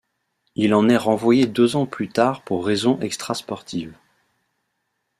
Il en est renvoyé deux ans plus tard pour raisons extra-sportives.